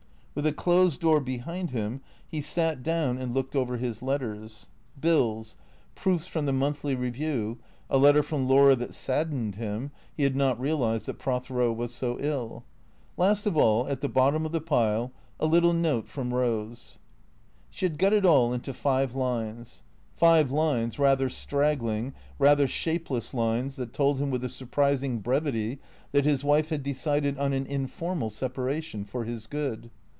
With a closed door behind him he sat down and looked over 503 504 THECEEATOES his letters. Bills, proofs from the " Monthly Eeview," a letter from Laura that saddened him (he had not realized that Pro thero was so ill). Last of all, at the bottom of the pile, a little note from Eose. She had got it all into five lines. Five lines, rather strag gling, rather shapeless lines that told him with a surprising brevity that his wife had decided on an informal separation, for his good.